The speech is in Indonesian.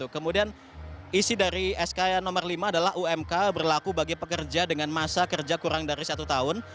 kemudian isi dari sk yang nomor lima adalah umk berlaku bagi pekerja dengan masa kerja kurang dari satu tahun